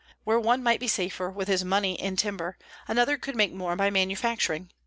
Where one might be safer with his money in timber, another could make more by manufacturing.